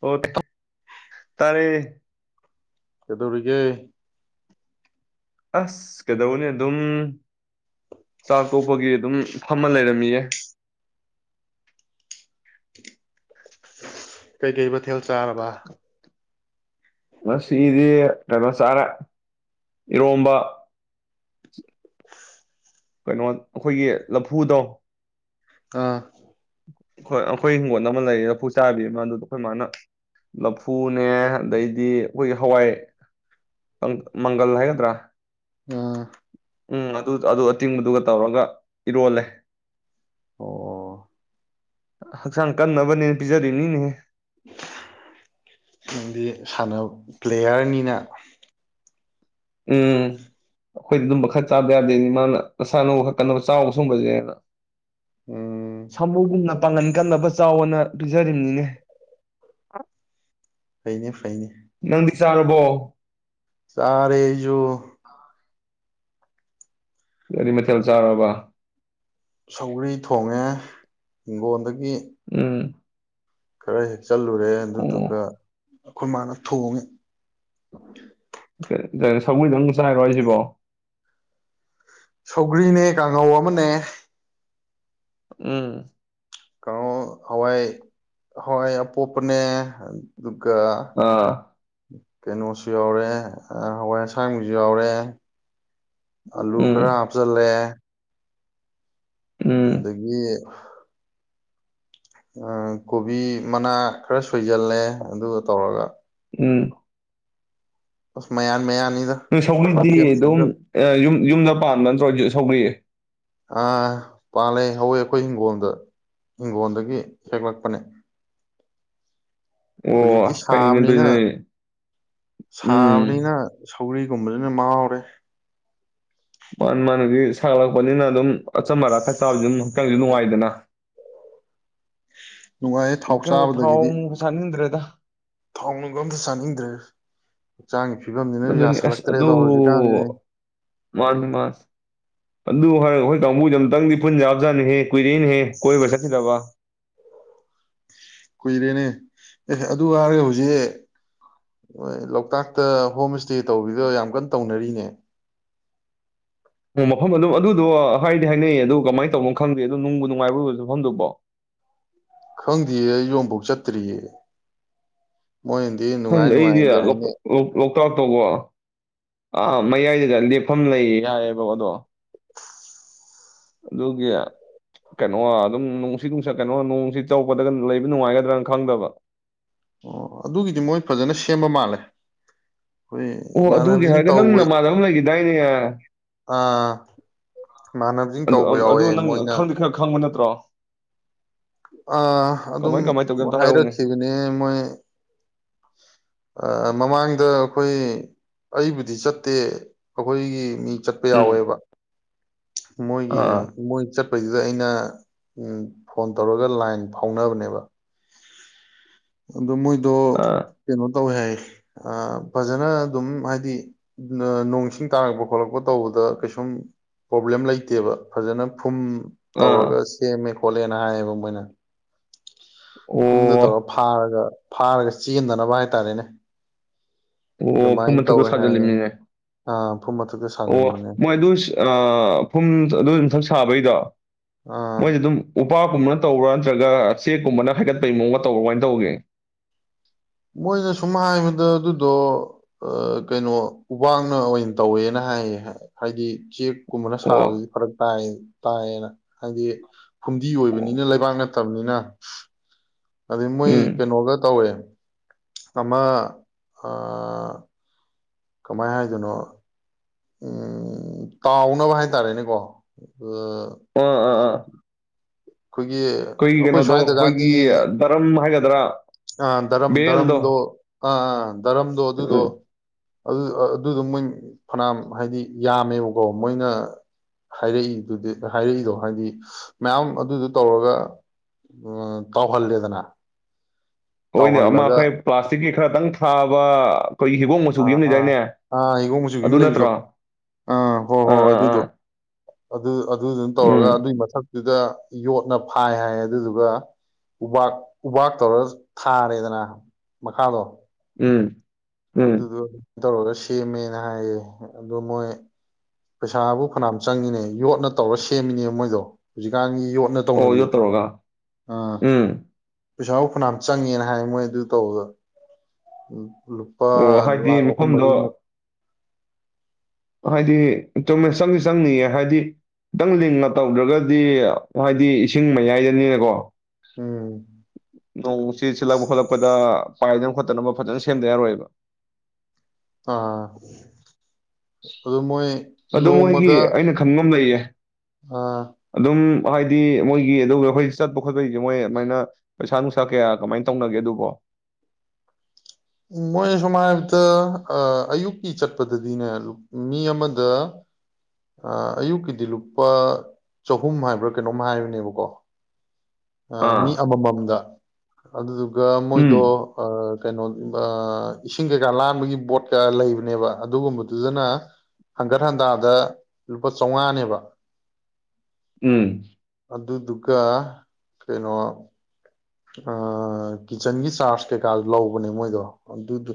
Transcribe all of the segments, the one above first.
ꯑꯣ ꯇꯔꯦ ꯀꯗꯧꯔꯤꯒꯦ ꯑꯁ ꯀꯩꯗꯧꯕꯅꯤ ꯑꯗꯨꯝ ꯆꯥꯛ ꯇꯣꯛꯄꯒꯤ ꯑꯗꯨꯝ ꯐꯝꯃ ꯂꯩꯔꯝꯃꯤꯌꯦ ꯀꯩ ꯀꯩ ꯃꯊꯦꯜ ꯆꯥꯔꯕ ꯉꯗꯤ ꯀꯩꯅꯣ ꯆꯥꯔꯦ ꯏꯔꯣꯝꯕ ꯀꯩꯅꯣ ꯑꯩꯈꯣꯏꯒꯤ ꯂꯐꯨꯗꯣ ꯑꯥ ꯍꯣꯏ ꯑꯩꯈꯣꯏ ꯍꯤꯡꯒꯣꯜ ꯑꯃ ꯂꯩ ꯂꯐꯨ ꯆꯥꯕꯤ ꯃꯥ ꯑꯗꯨꯗ ꯑꯩꯈꯣꯏ ꯃꯥꯅ ꯂꯐꯨꯅꯦ ꯑꯗꯩꯗꯤ ꯑꯩꯈꯣꯏꯒꯤ ꯍꯋꯥꯏ ꯃꯪꯒꯜ ꯍꯥꯏꯒꯗ꯭ꯔꯥ ꯑꯥ ꯎꯝ ꯑꯗꯨ ꯑꯗꯨ ꯑꯆꯤꯡꯕꯗꯨꯒ ꯇꯧꯔꯒ ꯏꯔꯣꯜꯂꯦ ꯑꯣ ꯍꯛꯆꯥꯡ ꯀꯟꯅꯕꯅꯦꯅ ꯄꯤꯖꯔꯤꯅꯤꯅꯦ ꯁꯅꯕ ꯄ꯭ꯂꯦꯌꯥꯔꯅꯤꯅ ꯎꯝ ꯑꯩꯈꯣꯏ ꯑꯗꯨꯝ ꯈꯔ ꯆꯥꯗ ꯌꯥꯗꯦꯅꯦ ꯃꯥꯅ ꯅꯁꯥꯅꯨ ꯈꯔ ꯀꯟꯅꯕ ꯆꯥꯎꯕ ꯁꯨꯝꯕꯁꯦꯅ ꯎꯝ [unintelligible] ꯄꯥꯡꯒꯟ ꯀꯟꯅꯕ ꯆꯥꯎꯅ ꯄꯤꯖꯔꯤꯝꯅꯤꯅꯦ ꯐꯩꯅꯦ ꯐꯩꯅꯦ ꯅꯪꯗꯤ ꯆꯥꯔꯕꯣ ꯆꯔꯦ ꯑꯩꯁꯨ ꯀꯔꯤ ꯃꯊꯦꯜ ꯆꯥꯔꯕ ꯁꯧꯒ꯭ꯔꯤ ꯊꯣꯡꯉꯦ ꯍꯤꯡꯒꯣꯟꯗꯒꯤ ꯎꯝ [unintelligible] ꯆꯠꯂꯨꯔꯦ ꯑꯗꯨꯗꯨꯒ ꯑꯣ ꯑꯩꯈꯣꯏ ꯃꯥꯅ ꯊꯣꯡꯉꯤ ꯁꯧꯒ꯭ꯔꯤ ꯗꯥꯪꯒ ꯆꯥꯏꯔꯣ ꯍꯥꯏꯁꯤꯕꯣ ꯁꯧꯒ꯭ꯔꯤꯅꯦ ꯀꯥꯡꯉꯧ ꯑꯃꯅꯦ ꯎꯝ ꯀꯥꯡꯉꯧ ꯍꯋꯥꯏ ꯍꯋꯥꯏ ꯑꯄꯣꯞꯄꯅꯦ ꯀ ꯀ ꯑꯥ ꯀꯩꯅꯣꯁꯨ ꯌꯥꯎꯔꯦ ꯍꯋꯥꯏ ꯑꯁꯥꯡꯕꯁꯨ ꯌꯥꯎꯔꯦ ꯑꯥꯂꯨ ꯎꯝ ꯈꯔ ꯍꯥꯞꯆꯜꯂꯦ ꯎꯝ ꯑꯗꯒꯤ ꯀꯣꯕꯤ ꯃꯅꯥ ꯈꯔ ꯁꯣꯏꯖꯜꯂꯦ ꯑꯗꯨꯒ ꯇꯧꯔꯒ ꯎꯝ ꯎꯁ ꯃꯌꯥꯟ ꯃꯌꯥꯟ ꯁꯧꯒ꯭ꯔꯤꯗꯤ ꯑꯗꯨꯝ ꯌꯨꯝ ꯌꯨꯝꯗ ꯄꯥꯟꯕ ꯅꯠꯇ꯭ꯔꯣ ꯁꯧꯒ꯭ꯔꯤ ꯑꯥ ꯄꯥꯜꯂꯦ ꯍꯧꯋꯦ ꯑꯩꯈꯣꯏ ꯍꯤꯡꯒꯣꯜꯗ ꯍꯤꯡꯒꯣꯜꯗꯒꯤ ꯍꯦꯛꯂꯛꯄꯅꯦ ꯍꯧꯖꯤꯛꯇꯤ ꯑꯣ ꯐꯩꯅꯦ ꯑꯗꯨꯗꯤ ꯁꯥꯕꯅꯤꯅ ꯅꯣꯏ ꯎꯝ ꯁꯥꯕꯅꯤꯅ ꯁꯧꯒ꯭ꯔꯤꯒꯨꯝꯁꯤꯅꯥ ꯃꯥꯍꯥꯎꯔꯦ ꯃꯥꯟꯅꯦ ꯃꯥꯅꯒꯤ ꯁꯥꯒꯠꯂꯛꯄꯅꯤꯅ ꯑꯗꯨꯝ ꯑꯆꯝ ꯑꯔꯥꯛ ꯈꯔꯥ ꯆꯕꯥꯖꯤ ꯑꯝ ꯈꯤꯇꯪꯁꯨ ꯅꯨꯡꯉꯥꯏꯗꯅ ꯅꯨꯡꯉꯥꯏꯌꯦ ꯊꯥꯎ ꯍꯧꯖꯤꯛꯀꯥꯟꯗꯤ ꯊꯥꯎ ꯆꯥꯕꯗꯒꯤꯗꯤ ꯑꯃꯨꯛ ꯆꯥꯅꯤꯡꯗ꯭ꯔꯦꯗ ꯊꯥꯎ ꯅꯨꯡꯒ ꯑꯝꯇ ꯆꯥꯅꯤꯡꯗ꯭ꯔꯦ ꯍꯛꯆꯥꯡꯒꯤ ꯐꯤꯕꯝꯁꯤꯅ ꯑꯗꯨꯅꯤꯅ‌ꯦ ꯑꯁ ꯑꯗꯨ ꯌꯥꯁꯜꯂꯛꯇ꯭ꯔꯦꯗꯣ ꯍꯧꯖꯤꯛꯀꯥꯟꯁꯤꯗꯤ ꯃꯅꯤ ꯃꯥꯅꯤ ꯑꯗꯨ ꯍꯥꯏ ꯑꯩꯈꯣꯏ ꯀꯥꯡꯕꯨꯗꯤ ꯑꯝꯇꯪꯗꯤ ꯄꯨꯟ ꯌꯥꯕ ꯖꯥꯠꯅꯤꯍꯦ ꯀꯨꯏꯔꯦ ꯅꯦ ꯀꯣꯏꯕꯒꯥ ꯆꯥꯠ ꯈꯤꯗꯕ ꯀꯨꯏꯔꯦꯅꯦ ꯑꯦ ꯑꯗꯨ ꯍꯥꯏꯔꯒ ꯍꯧꯖꯤꯛ ꯂꯣꯛꯇꯥꯛꯇ ꯍꯣꯝ ꯏꯁꯇꯦ ꯇꯧꯕꯤꯗꯣ ꯌꯥꯝ ꯀꯟꯅ ꯇꯧꯅꯔꯤꯅꯦ ꯑꯣ ꯃꯐꯝ ꯑꯗꯨꯝ ꯑꯗꯨꯗꯣ ꯍꯥꯏꯗꯤ ꯍꯥꯏꯅꯩꯌꯦ ꯑꯗꯨ ꯀꯃꯥꯏꯅ ꯇꯧꯕꯅꯣ ꯈꯪꯗꯦ ꯑꯗꯨꯣ ꯅꯨꯡꯕꯨ ꯅꯨꯡꯉꯥꯏ ꯕꯔꯣꯕꯥ ꯑꯦꯗꯨꯏ ꯃꯐꯝꯗꯨꯕꯣ ꯈꯪꯗꯦꯌꯦ ꯑꯩꯁꯨ ꯑꯝꯐꯥꯎ ꯆꯠꯇ꯭ꯔꯤꯌꯦ ꯃꯣꯏꯅꯗꯤ ꯅꯨꯡꯉꯥꯏ ꯈꯪꯗꯦ ꯑꯩꯗꯤ ꯅꯨꯡꯉꯥꯏꯗꯤ ꯑ ꯍꯥꯏꯅꯩ ꯑꯇꯣꯞꯄꯀꯣ ꯑꯥ ꯃꯌꯥꯏꯗꯨꯗ ꯂꯦꯞꯐꯝ ꯂꯩꯌꯦ ꯌꯥꯏꯑꯕꯀꯣ ꯑꯗꯣ ꯑꯗꯨꯒꯤ ꯀꯩꯅꯣ ꯑꯗꯨꯝ ꯅꯨꯡꯁꯤꯠ ꯅꯨꯡꯁꯛ ꯀꯩꯅꯣ ꯅꯣꯡꯁꯤ ꯆꯄꯗꯒ ꯂꯩꯕ ꯅꯨꯡꯉꯥꯏꯒꯗ꯭ꯔꯅ ꯈꯪꯗꯕ ꯑꯣ ꯑꯗꯨꯒꯤꯗꯤ ꯃꯣꯏ ꯐꯖꯅ ꯁꯦꯝꯕ ꯃꯥꯜꯂꯦ ꯑꯩꯈꯣꯏ ꯑꯣ ꯑꯗꯨꯒꯤ ꯏꯃꯥꯟꯅꯕꯁꯤꯡ ꯍꯥꯏꯔꯒ ꯅꯪ ꯇꯧꯕ ꯅꯃꯥꯖ ꯑꯃ ꯂꯩꯈꯤꯗꯥꯏꯅꯦ ꯑꯥ ꯏꯃꯥꯟꯅꯕꯁꯤꯡ ꯇꯧꯕ ꯑꯗꯨ ꯌꯥꯎꯋꯦ ꯅꯪ ꯃꯣꯏꯅ ꯈꯪꯗꯤ ꯈꯔ ꯈꯪꯕ ꯅꯠꯇ꯭ꯔꯣ [unintelligible] ꯑ ꯑꯗꯨꯝ ꯀꯃꯥꯏ ꯀꯃꯥꯏ ꯇꯧꯒꯦ ꯑꯝꯇ ꯍꯥꯏꯔꯛꯎꯅꯦ ꯍꯥꯏꯔꯛꯈꯤꯕꯅꯦ ꯃꯣꯏ ꯑꯥ ꯃꯃꯥꯡꯗ ꯑꯩꯈꯣꯏ ꯑꯩꯕꯨꯗꯤ ꯆꯠꯇꯦ ꯑꯩꯈꯣꯏꯒꯤ ꯃꯤ ꯆꯠꯄ ꯎꯝ ꯌꯥꯎꯋꯦꯕ ꯃꯣꯏꯒꯤ ꯑꯥ ꯃꯣꯏ ꯆꯠꯄꯁꯤ ꯑꯗꯨꯗ ꯑꯩꯅ ꯐꯣꯟ ꯇꯧꯔꯒ ꯂꯥꯏꯟ ꯐꯥꯎꯅꯕꯅꯦꯕ ꯑꯗꯣ ꯃꯣꯏꯗꯣ ꯑꯥ ꯀꯣ ꯇꯧꯋꯦ ꯍꯥꯏ ꯐꯖꯅ ꯑꯗꯨꯝ ꯍꯥꯏꯗꯤ ꯅꯣꯡꯁꯤꯡ ꯇꯥꯔꯛꯄ ꯈꯣꯠꯂꯛꯄ ꯇꯧꯕꯗ ꯀꯩꯁꯨꯝ ꯄ꯭ꯔꯣꯕ꯭ꯂꯦꯝ ꯂꯩꯇꯦꯕ ꯐꯖꯅ ꯐꯨꯝ ꯑꯥ ꯑꯥ ꯇꯧꯔꯒ ꯁꯦꯝꯃꯦ ꯈꯣꯠꯂꯦꯅ ꯍꯥꯏꯌꯦꯕ ꯃꯣꯏꯅ ꯐꯨꯝꯗꯨ ꯇꯧꯔ ꯑꯣ ꯐꯥꯔꯒ ꯐꯥꯔꯒꯁ ꯆꯍꯟꯗꯅꯕ ꯍꯥꯏꯇꯥꯔꯦꯅꯦ ꯑꯣ ꯑꯗꯨꯃꯥꯏꯅ ꯐꯨꯝꯃꯇꯛꯇ ꯇꯧꯋꯦ ꯍꯥꯏꯌꯦ ꯁꯖꯜꯂꯤꯅꯤꯅꯦ ꯑꯥ ꯐꯨꯝ ꯃꯊꯛꯇ ꯑꯣ ꯁꯥꯖꯟꯕꯅꯦ ꯃꯣꯏ ꯑꯗꯨ ꯐꯨꯝ ꯑꯗꯨ ꯌꯊꯛ ꯁꯥꯕꯩꯗꯣ ꯑꯥ ꯃꯣꯏꯁꯨꯦ ꯑꯗꯨꯝ ꯎꯄꯥꯛ ꯒꯨꯝꯕꯅ ꯇꯧꯕ꯭ꯔꯥ ꯅꯠꯇꯔꯒꯅ ꯆꯦꯛꯀꯨꯝꯕꯅ ꯍꯥꯏꯒꯠꯄꯒꯤ ꯃꯑꯣꯡꯗ ꯇꯧꯕ ꯀꯃꯥꯏꯅ ꯇꯧꯒꯦ ꯃꯣꯏꯅ ꯁꯨꯝ ꯍꯥꯏꯕꯗ ꯑꯗꯨꯗꯣ ꯀꯩꯅꯣ ꯎꯕꯛꯅ ꯑꯣꯏꯅ ꯇꯧꯋꯦꯅ ꯍꯥꯏꯌꯦ ꯍꯥꯏꯗꯤ ꯆꯦꯛ ꯀꯨꯝꯕꯅ ꯁꯥꯕꯗꯨꯗꯤ ꯑꯣ ꯐꯔꯛ ꯇꯥꯏ ꯇꯌꯦꯅ ꯍꯥꯏꯗꯤ ꯐꯨꯝꯗꯤ ꯑꯣ ꯑꯣꯏꯕꯅꯤꯅ ꯂꯩꯕꯥꯛ ꯅꯠꯇꯕꯅꯤ ꯅ ꯑꯗꯩ ꯃꯣꯏ ꯎꯝ ꯀꯩꯅꯣꯒ ꯇꯧꯋꯦ ꯑꯃ ꯑ ꯀꯃꯥꯏ ꯍꯥꯏꯗꯣꯏꯅꯣ ꯎꯝ ꯇꯥꯎꯅꯕ ꯍꯥꯏꯇꯥꯔꯦꯅꯦꯀꯣ ꯎꯝ ꯑꯥ ꯑꯥ ꯑꯥ ꯑꯩꯈꯣꯏꯒꯤ ꯑꯩꯈꯣꯏꯒꯤ ꯑꯩꯈꯣꯏ ꯀꯩꯅꯣꯗꯣ ꯑꯩꯈꯣꯏꯒꯤ ꯁ꯭ꯋꯥꯏꯗꯒꯗꯤ ꯗꯔꯝ ꯍꯥꯏꯒꯗ꯭ꯔꯥ ꯑꯥ ꯗꯔꯝ ꯕꯦꯔꯦꯜꯗꯣ ꯗꯔꯝꯗꯣ ꯑꯥ ꯗꯔꯝꯗꯣ ꯑꯗꯨꯗꯣ ꯎꯝ ꯑꯗꯨ ꯑꯗꯨꯗꯣ ꯃꯣꯏ ꯐꯅꯌꯥꯝ ꯍꯥꯏꯗꯤ ꯌꯥꯝꯃꯦꯕꯀꯣ ꯃꯣꯏꯅ ꯍꯥꯏꯔꯛꯏꯗꯨꯗꯤ ꯍꯥꯏꯔꯛꯏꯗꯣ ꯍꯥꯏꯗꯤ ꯃꯌꯥꯝ ꯑꯗꯨꯗꯨ ꯇꯧꯔꯒ ꯇꯥꯎꯍꯜꯂꯦꯗꯅ ꯍꯣꯏꯅꯦ ꯇꯥꯎꯍꯜꯂꯒ ꯑꯃꯈꯩ ꯄ꯭ꯂꯥꯁꯇꯤꯛꯀꯤ ꯈꯔꯇꯪ ꯊꯥꯕ ꯑꯩꯈꯣꯏꯒꯤ ꯍꯤꯒꯣꯛ ꯃꯆꯨꯒꯤ ꯑꯥ ꯑꯃ ꯑꯥ ꯂꯩꯗꯥꯏꯅꯦ ꯑꯥ ꯍꯤꯒꯣꯛ ꯃꯁꯨ ꯑꯝ ꯑꯗꯨ ꯂꯩꯕꯗꯣ ꯅꯠꯇ꯭ꯔꯣ ꯑꯥ ꯍꯣꯏ ꯍꯣꯏ ꯑꯥ ꯍꯣꯏ ꯑꯥ ꯑꯗꯨꯗꯣ ꯑꯥ ꯑꯗꯨ ꯑꯗꯨꯗꯨꯅ ꯇꯧꯔꯒ ꯎꯝ ꯑꯗꯨꯒꯤ ꯃꯊꯛ ꯑꯗꯨꯗ ꯌꯣꯠꯅ ꯐꯥꯏ ꯍꯥꯏ ꯑꯗꯨꯗꯨꯒ ꯎꯄꯥꯛꯥꯛ ꯎꯄꯥꯛꯥꯛ ꯇꯧꯔꯒ ꯊꯥꯔꯦꯗꯅ ꯃꯈꯥꯗꯣ ꯎꯝ ꯎꯝ ꯑꯗꯨꯗꯨ ꯇꯧꯔꯒ ꯁꯦꯝꯃꯦꯅ ꯍꯥꯏꯌꯦ ꯑꯗꯣ ꯃꯣꯏ ꯄꯩꯁꯥꯕꯨ ꯐꯅꯌꯥꯝ ꯆꯪꯉꯤꯅꯦ ꯌꯣꯠꯅ ꯇꯧꯔ ꯁꯦꯝꯃꯤꯅꯦ ꯃꯣꯏꯗꯣ ꯍꯧꯖꯤꯛꯀꯥꯟꯒꯤ ꯌꯣꯠꯅ ꯑꯣ ꯌ ꯇꯧꯅꯕꯤꯗꯣ ꯇꯧꯔꯒ ꯎꯝ ꯄꯩꯁꯥꯐ ꯐꯅꯥꯝ ꯆꯪꯉꯦꯅ ꯍꯥꯏ ꯃꯣꯏ ꯑꯗꯨ ꯇꯧꯕꯗ ꯂꯨꯄꯥ ꯑꯣ ꯍꯥꯏꯗꯤ ꯂꯥꯛ ꯑꯍꯨꯝ ꯃꯐꯝꯗꯣ ꯃꯔꯤꯃꯨꯛ ꯍꯥꯏꯗꯤꯇꯣꯔꯃꯦꯁ ꯆꯪꯁꯨ ꯆꯪꯅꯤꯡꯌꯦ ꯍꯥꯏꯗꯤ ꯈꯤꯇꯪ ꯂꯤꯡꯉ ꯇꯧꯗ꯭ꯔꯒꯗꯤ ꯍꯥꯏꯗꯤ ꯏꯁꯤꯡ ꯃꯌꯥꯏꯗꯅꯤꯅꯀꯣ ꯎꯝ ꯅꯣꯛ ꯎꯆ ꯆꯂ ꯍꯣꯂꯄꯗ ꯄꯥꯏꯗꯅ ꯈꯣꯠꯇꯅꯕ ꯐꯖꯅ ꯁꯦꯝꯗ ꯌꯥꯔꯣꯏꯕ ꯑꯥ ꯑꯗꯨ ꯃꯣꯏ ꯑꯗꯨ ꯃꯣꯏꯒꯤ ꯅꯣꯡꯃꯗ ꯑꯩꯅ ꯈꯪꯕ ꯑꯃ ꯂꯩꯌꯦ ꯑꯥ ꯑꯗꯨꯝ ꯍꯥꯏꯗꯤ ꯃꯣꯏꯒꯤ ꯑꯗꯨꯒ ꯑꯩꯈꯣꯏ ꯆꯠꯄ ꯈꯣꯠꯄꯒꯤꯁꯦ ꯃꯣꯏ ꯑꯗꯨꯃꯥꯏꯅ ꯄꯩꯁꯥ ꯅꯨꯡꯁꯥ ꯀꯌꯥ ꯀꯃꯥꯏꯅ ꯇꯧꯅꯒꯦ ꯑꯗꯨꯕ ꯃꯣꯏ ꯁꯨꯝ ꯍꯥꯏꯔꯕꯗ ꯑꯌꯨꯛꯀꯤ ꯆꯠꯄꯗꯗꯤꯅꯦ ꯃꯤ ꯑꯃꯗ ꯑꯌꯨꯛꯀꯤꯗꯤ ꯂꯨꯄꯥ ꯆꯍꯨꯝ ꯍꯥꯏꯕ꯭ꯔꯥ ꯀꯩꯅꯣꯝ ꯍꯥꯏꯕꯅꯦꯕꯀꯣ ꯑꯥ ꯃꯤ ꯑꯃꯃꯝꯗ ꯑꯗꯨꯗꯨꯒ ꯎꯝ ꯃꯣꯏꯗꯣ ꯀꯩꯅꯣ ꯏꯁꯤꯡ ꯀꯩꯀꯥ ꯂꯥꯟꯕꯒꯤ ꯕꯣꯠ ꯀꯌꯥ ꯂꯩꯕꯅꯦꯕ ꯑꯗꯨꯒꯨꯝꯕꯗꯨꯗꯅ ꯍꯟꯒꯠ ꯍꯟꯗꯥꯗ ꯂꯨꯄꯥ ꯆꯥꯝꯃꯉꯥꯅꯦꯕ ꯎꯝ ꯑꯗꯨꯗꯨꯒ ꯀꯩꯅꯣ ꯀꯤꯠꯆꯟꯒꯤ ꯆꯥꯔꯖ ꯀꯩꯀꯥ ꯂꯧꯕꯅꯦ ꯃꯣꯏꯗꯣ ꯑꯗꯨꯗ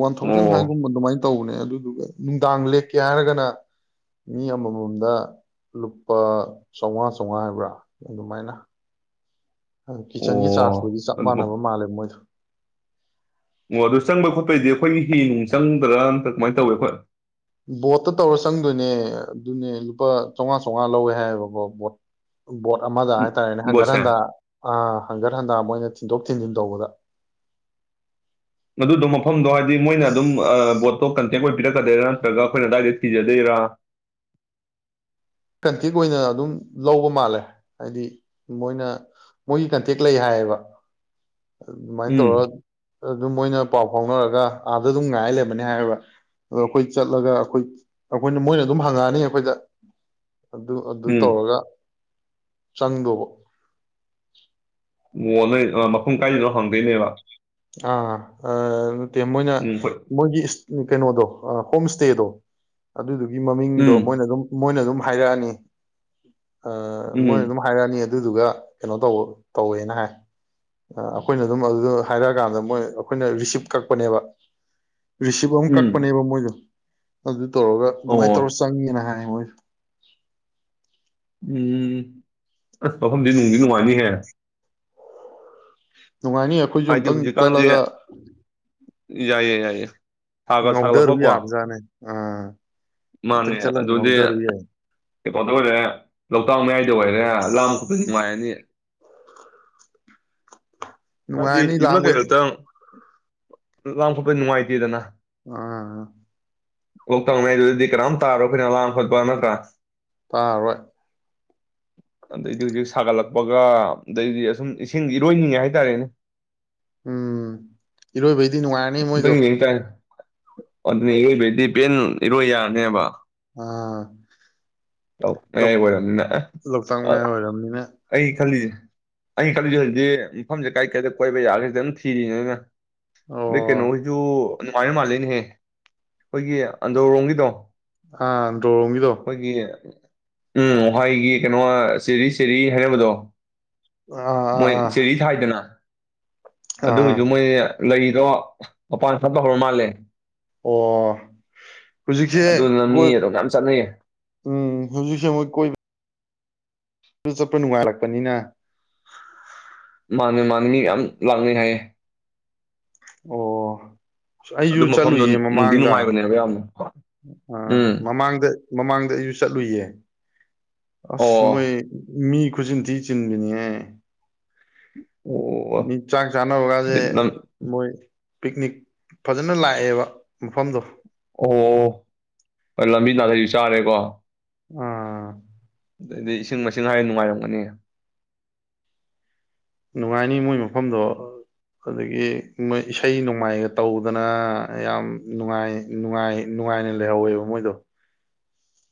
ꯋꯥꯟ ꯊꯥꯎꯖꯟ ꯑꯣ ꯍꯥꯏꯒꯨꯝꯕ ꯑꯗꯨꯃꯥꯏꯅ ꯇꯧꯕꯅꯦ ꯑꯗꯨꯗꯨꯒ ꯅꯨꯡꯗꯥꯡ ꯂꯦꯛꯀꯦ ꯍꯥꯏꯔꯒꯅ ꯃꯤ ꯑꯃꯃꯝꯗ ꯂꯨꯄꯥ ꯆꯥꯝꯃꯉꯥ ꯆꯥꯝꯃꯉꯥ ꯍꯥꯏꯕ꯭ꯔꯥ ꯑꯗꯨꯃꯥꯏꯅ ꯑꯗꯨ ꯀꯤꯠꯆꯟꯒꯤ ꯑꯣ ꯆꯥꯔꯖꯇꯨꯗꯤ ꯆꯞ ꯑꯗꯨ ꯃꯥꯟꯅꯕ ꯃꯥꯜꯂꯦꯕ ꯃꯣꯏꯗꯣ ꯑꯣ ꯑꯗꯨ ꯆꯪꯕꯩ ꯈꯣꯠꯄꯩꯗꯤ ꯑꯩꯈꯣꯏꯅ ꯍꯤ ꯅꯨꯡ ꯆꯪꯗ꯭ꯔꯥ ꯅꯠꯇ꯭ꯔꯒ ꯀꯃꯥꯏꯅ ꯇꯧꯒꯦ ꯑꯩꯈꯣꯏ ꯕꯣꯠꯇ ꯇꯧꯔ ꯆꯪꯗꯣꯏꯅꯦ ꯑꯗꯨꯅꯦ ꯂꯨꯄꯥ ꯆꯥꯃꯉꯥ ꯆꯥꯃꯉꯥ ꯂꯧꯋꯦ ꯍꯥꯏꯌꯦꯕꯀꯣ ꯕꯣꯠ ꯕꯣꯠ ꯑꯃꯗ ꯎꯝ ꯍꯥꯏ ꯇꯔꯅꯦ ꯍꯪꯒꯠ ꯕꯣꯠꯁꯦ ꯍꯟꯗꯥ ꯑ ꯍꯥꯪꯒꯠ ꯍꯟꯗꯥ ꯃꯣꯏꯅ ꯊꯤꯟꯗꯣꯛ ꯊꯤꯟꯖꯤꯟ ꯇꯧꯕꯗ ꯃꯗꯨꯗꯣ ꯃꯐꯝꯗꯣ ꯍꯥꯏꯗꯤ ꯃꯣꯏꯅ ꯑꯗꯨꯝ ꯕꯣꯠꯇꯣ ꯑ ꯑꯩꯈꯣꯏ ꯄꯤꯔꯛꯀꯗꯣꯏꯔꯥ ꯅꯠꯇ꯭ꯔꯒ ꯑꯩꯈꯣꯏꯅ ꯑꯗꯥꯏꯗ ꯊꯤꯖꯗꯣꯏꯔ ꯀꯟꯇꯦꯛ ꯑꯣꯏꯅ ꯑꯗꯨꯝ ꯂꯧꯕ ꯃꯥꯜꯂꯦ ꯍꯥꯏꯗꯤ ꯃꯣꯏꯅ ꯃꯣꯏꯒꯤ ꯀꯟꯇꯦꯛ ꯂꯩ ꯍꯥꯏꯌꯦꯕ ꯑꯗꯨꯃꯥꯏꯅ ꯎꯝ ꯇꯧꯔꯒ ꯑꯗꯨꯝ ꯃꯣꯏꯅ ꯄꯥꯎ ꯐꯥꯎꯅꯔꯒ ꯑꯥꯗ ꯑꯗꯨꯝ ꯉꯥꯏ ꯂꯩꯕꯅꯤ ꯍꯥꯏꯒ ꯑꯗꯣ ꯑꯩꯈꯣꯏ ꯆꯠꯂꯒ ꯑꯩꯈꯣꯏ ꯑꯩꯈꯣꯏꯅ ꯃꯣꯏꯅ ꯑꯗꯨꯝ ꯍꯪꯉꯛꯑꯅꯤ ꯑꯩꯈꯣꯏꯗ ꯑꯗꯨ ꯑꯗꯨ ꯎꯝ ꯇꯧꯔꯒ [unintelligible] ꯃꯣꯟꯅꯩ ꯃꯐꯝ ꯀꯥꯏꯗꯅꯣ ꯍꯪꯗꯣꯏꯅꯦꯕ ꯑꯥ ꯑ ꯅꯠꯇꯦ ꯃꯣꯏꯅ ꯎꯝ ꯍꯣꯏ ꯃꯣꯏꯒꯤ ꯀꯩꯅꯣꯗꯣ ꯑ ꯍꯣꯝ ꯏ꯭ꯁꯇꯦꯗꯣ ꯑꯗꯨꯗꯨ ꯒꯤ ꯃꯃꯤꯡꯗꯣ ꯎꯝ ꯃꯣꯏꯅ ꯑꯗꯨꯝ ꯃꯣꯏꯅ ꯑꯗꯨꯝ ꯍꯥꯏꯔꯛ ꯑꯅꯤ ꯑ ꯃꯣꯏ ꯑꯗꯨꯝ ꯎꯝ ꯍꯥꯏꯔꯛ ꯑꯅꯤ ꯑꯗꯨꯗꯨꯒ ꯀꯩꯅꯣ ꯇꯧꯕ ꯇꯧꯋꯦꯅ ꯍꯥꯏ ꯑꯩꯈꯣꯏꯅ ꯑꯗꯨꯝ ꯑꯗꯨꯗꯣ ꯍꯥꯏꯔꯛ ꯑꯀꯥꯟꯗ ꯃꯣꯏ ꯑꯩꯈꯣꯏꯅ ꯔꯤꯁꯤꯞ ꯀꯛꯄꯅꯦꯕ ꯔꯤꯁꯤꯞ ꯑꯃ ꯎꯝ ꯀꯛꯄꯅꯦꯕ ꯃꯣꯏꯗꯣ ꯑꯗꯨ ꯇꯧꯔꯒ ꯑꯗꯨꯃꯥꯏꯅ ꯇꯧꯔ ꯑꯣ ꯆꯪꯉꯦꯅ ꯍꯥꯏ ꯑꯣꯏ ꯎꯝ ꯑꯁ ꯃꯐꯝꯗꯤ ꯅꯨꯡꯗꯤ ꯅꯨꯡꯉꯥꯏꯅꯤꯍꯦ ꯅꯨꯡꯉꯥꯏꯅꯤ ꯑꯩꯈꯣꯏꯁꯨ ꯍꯥꯏꯗꯤ ꯑꯝꯇꯪ ꯍꯧꯖꯤꯛꯀꯥꯟꯁꯦ ꯆꯠꯂꯒ ꯌꯥꯏꯌꯦ ꯌꯥꯏꯌꯦ ꯁꯥꯒ ꯉꯥꯎꯊꯔꯨ ꯁꯥꯒꯠꯂꯛꯄꯀꯣ ꯌꯥꯕꯖꯥꯠꯅꯦ ꯑꯥ ꯑꯝꯇꯪ ꯃꯥꯅꯦ ꯆꯠꯂꯒ ꯑꯗꯨꯗꯤ ꯉꯥꯎꯊꯔꯨ ꯌꯥꯏ ꯀꯩꯅꯣꯗ ꯑꯣꯏꯔꯦ ꯂꯣꯛꯇꯥꯛ ꯃꯌꯥꯏꯗ ꯑꯣꯏꯔꯦ ꯂꯥꯝ ꯅꯨꯡꯥꯏꯔꯅꯤ ꯍꯥꯏꯗꯤ ꯅꯨꯡꯉꯥꯏꯔꯅꯤ ꯌꯨꯝ [inaudible] ꯀꯩ ꯂꯥꯡꯕꯩꯗꯤ [inaudible] ꯂꯥꯡ ꯈꯣꯠꯄꯗꯤ ꯅꯨꯡꯉꯥꯏꯇꯦꯗꯅ ꯑꯥ ꯂꯣꯛꯇꯥꯛ ꯃꯌꯥꯏꯗꯨꯗꯗꯤ ꯀꯅꯥꯝ ꯇꯥꯔꯔꯣ ꯑꯩꯈꯣꯏꯅ ꯂꯥꯡ ꯈꯣꯠꯄ ꯅꯠꯇ꯭ꯔꯥ ꯇꯥꯔꯔꯣꯏ ꯑꯗꯩꯗꯤ ꯍꯧꯖꯤꯛ ꯁꯥꯒꯠꯂꯛꯄꯒ ꯑꯗꯩꯗꯤ ꯑꯁꯨꯝ ꯏꯁꯤꯡ ꯏꯔꯣꯏꯅꯤꯡꯉꯦ ꯍꯥꯏ [inaudible] ꯔꯦꯅꯦ ꯎꯝ ꯏꯔꯣꯏꯕꯩꯗꯤ ꯅꯨꯡꯉꯥꯏꯔꯅꯤ ꯃꯣꯏꯗꯣ ꯑꯗꯨꯅꯦ ꯏꯔꯣꯏꯕꯩꯗꯤ ꯄꯦꯟ ꯏꯔꯣꯏ ꯌꯥꯔꯅꯤꯕ ꯑꯥ ꯑꯧ ꯂꯧ ꯃꯌꯥꯏ ꯑꯣꯏꯔꯕꯅꯤꯅ ꯑꯦ ꯂꯣꯛꯇꯥꯛ ꯑ ꯃꯌꯥꯏ ꯑꯣꯏꯔꯝꯅꯤꯅ ꯑꯩ ꯈꯜꯂꯤꯅꯦ ꯑꯩ ꯈꯜꯂꯤꯁꯦ ꯍꯧꯖꯤꯛ ꯃꯐꯝꯁꯦ ꯀꯥꯏ ꯀꯥꯏꯗ ꯀꯣꯏꯕ ꯌꯥꯒꯦꯁꯦ ꯑꯗꯨꯝ ꯊꯤꯔꯤꯅꯦ ꯑꯩꯅ ꯑꯣ ꯑꯗꯩ ꯀꯩꯅꯣ ꯍꯧꯏꯁꯨ ꯑꯗꯨꯃꯥꯏꯅ ꯃꯥꯜꯂꯦꯅꯦꯍꯦ ꯑꯩꯈꯣꯏꯒꯤ ꯑꯟꯗ꯭ꯔꯣ ꯔꯣꯝꯒꯤꯗꯣ ꯑꯥ ꯑꯟꯗ꯭ꯔꯣ ꯔꯣꯝꯒꯤꯗꯣ ꯎꯝ ꯋꯥꯏꯒꯤ ꯀꯩꯅꯣ ꯆꯦꯔꯤ ꯆꯦꯔꯤ ꯍꯥꯏꯅꯕꯗꯣ ꯑꯥ ꯑꯥ ꯃꯣꯏ ꯑꯥ ꯆꯦꯔꯤ ꯊꯥꯏꯗꯅ ꯑꯗꯨ ꯑꯥ ꯑꯣꯏꯁꯨ ꯃꯣꯏ ꯂꯩꯗꯣ ꯃꯄꯥꯟ ꯁꯥꯠꯄ ꯍꯧꯔ ꯃꯥꯜꯂꯦ ꯑꯣ ꯍꯧꯖꯤꯛꯁꯦ ꯑꯗꯨꯗꯨꯅ ꯃꯤ ꯑꯗꯨꯝ ꯌꯥꯝ ꯆꯠꯅꯩꯌꯦ [unintelligible] ꯍꯧꯖꯤꯛꯁꯦ ꯃꯨꯛ ꯀꯣꯏꯕ ꯑꯗꯨ ꯆꯠꯄ ꯅꯨꯡꯉꯥꯏꯔꯛꯄꯅꯤꯅ ꯃꯥꯅꯦ ꯃꯥꯅꯤ ꯃꯤ ꯌꯥꯝ ꯂꯥꯛꯅꯩ ꯍꯥꯏꯌꯦ ꯑꯣ ꯑ ꯑꯗꯨ ꯑꯩꯁꯨ ꯃꯐꯝꯗꯣ ꯆꯠꯂꯨꯏꯌꯦ ꯅꯨꯡꯗꯤ ꯃꯃꯥꯡꯗ ꯅꯨꯡꯉꯥꯏꯕꯅꯦꯕ ꯌꯥꯝꯅ ꯀꯣ ꯑꯥ ꯎꯝ ꯃꯃꯥꯡꯗ ꯃꯃꯥꯡꯗ ꯑꯩꯁꯨ ꯆꯠꯂꯨꯏꯌꯦ ꯑꯁ ꯃꯣꯏ ꯑꯣ ꯃꯤ ꯈꯨꯆꯤꯟꯊꯤ ꯆꯤꯟꯕꯅꯤꯍꯦ [unintelligible] ꯃꯤ ꯆꯥꯛ ꯆꯥꯟꯅꯕꯒꯖꯦ ꯑꯣ ꯃꯣꯏ ꯄꯤꯛꯅꯤꯛ ꯐꯖꯅ ꯂꯥꯛꯑꯦꯕ ꯃꯐꯝꯗꯣ ꯑꯣ ꯂꯝꯕꯤ ꯅꯥꯗꯩꯁꯨ ꯆꯥꯔꯦꯀꯣ ꯑꯥ ꯑꯗꯩꯗꯤ ꯏꯁꯤꯡ ꯃꯥꯏꯁꯤꯡ ꯍꯥꯏꯔ ꯅꯨꯡꯉꯥꯏꯔꯝꯒꯅꯤ ꯅꯨꯡꯉꯥꯏꯅꯤ ꯃꯣꯏ ꯃꯐꯝꯗꯣ ꯑꯗꯒꯤ ꯃꯣꯏ ꯏꯁꯩ ꯅꯣꯡꯃꯥꯏꯒ ꯇꯧꯗꯅ ꯌꯥꯝ ꯅꯨꯡꯉꯥꯏ ꯅꯨꯡꯉꯥꯏ ꯅꯨꯡꯉꯥꯏꯅ ꯂꯩꯍꯧꯋꯦꯕ ꯃꯣꯏꯗꯣ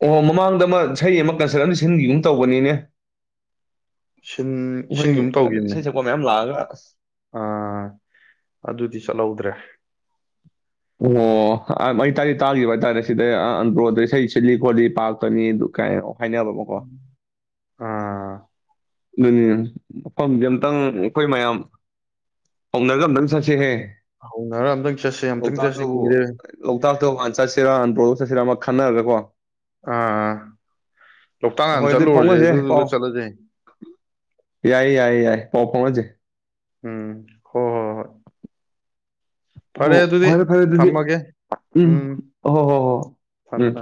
ꯑꯣ ꯃꯃꯥꯡꯗ ꯑꯃ ꯏꯁꯩ ꯑꯃ ꯀꯟꯁꯔꯠ ꯑꯃ ꯁꯤꯟꯒꯤꯒꯨꯝ ꯇꯧꯕꯅꯤꯅꯦ ꯁꯤꯟ ꯁꯤꯟꯒꯨꯝ ꯑꯩꯈꯣꯏ ꯇꯧꯈꯤꯕꯅꯦ ꯏꯁꯩ ꯁꯛꯄ ꯃꯌꯥꯝ ꯂꯥꯛꯑꯒ ꯑꯁ ꯑꯥ ꯑꯗꯨꯗꯤ ꯆꯠꯂꯧꯗ꯭ꯔꯦ ꯑꯣ ꯑꯝ ꯑꯩ ꯇꯥꯗꯤ ꯇꯥꯈꯤꯕ ꯍꯥꯏꯇꯥꯔꯦ ꯁꯤꯗ ꯑ ꯑꯟꯗ꯭ꯔꯣꯗ ꯏꯁꯩ ꯁꯤꯜꯂꯤ ꯈꯣꯠꯂꯤ ꯄꯥꯛꯇꯅꯤ ꯑꯗꯨ ꯀꯥꯏꯅꯣ ꯍꯥꯏꯅꯕꯕ ꯀꯣ ꯑꯥ ꯑꯗꯨꯅꯤ ꯃꯐꯝꯁꯦ ꯑꯝꯇꯪ ꯑꯩꯈꯣꯏ ꯃꯌꯥꯝ ꯍꯧꯅꯔꯒ ꯑꯝꯇꯪ ꯆꯠꯁꯤꯍꯦ ꯍꯧꯅꯔ ꯑꯝꯇꯪ ꯆꯠꯁꯦ ꯑꯝꯇꯪ ꯆꯠꯁꯤ ꯂꯣꯛꯇꯥꯛꯇꯕꯨ ꯀꯨꯏꯔꯦ ꯂꯣꯛꯇꯥꯛꯇ ꯍꯥꯟ ꯆꯠꯁꯤꯔꯥ ꯑꯟꯗ꯭ꯔꯣ ꯆꯠꯁꯤꯔ ꯑꯃ ꯈꯟꯅꯔꯒ ꯀꯣ ꯑꯥ ꯂꯣꯛꯇꯥꯛ ꯍꯥꯟꯅ ꯍꯣꯏ ꯑꯗꯨꯗꯤ ꯆꯠꯂꯨꯔꯁꯦ ꯐꯥꯎꯅꯁꯦ ꯑꯗꯨꯗꯨꯒ ꯄꯥꯎ ꯆꯠꯂꯁꯦ ꯌꯥꯏ ꯌꯥꯏ ꯌꯥꯏ ꯄꯥꯎ ꯐꯥꯎꯅꯁꯦ ꯎꯝ ꯍꯣ ꯍꯣ ꯍꯣꯏ ꯑꯣ ꯑꯗꯨꯗꯤ ꯐꯔꯦ ꯐꯔꯦ ꯑꯗꯨꯗꯤ ꯊꯝꯃꯒꯦ ꯎꯝ ꯍꯣ ꯍꯣ ꯍꯣ ꯊꯝꯃꯦ ꯎꯝ ꯊꯝꯃꯦ